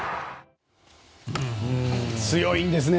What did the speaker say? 強いんですね。